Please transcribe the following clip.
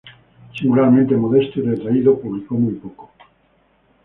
Singularmente modesto y retraído, publicó muy poco.